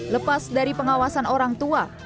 lepas dari pengawasan orang tua